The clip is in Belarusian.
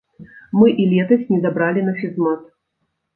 Мы і летась недабралі на фізмат.